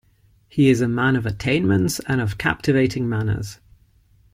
He is a man of attainments and of captivating manners.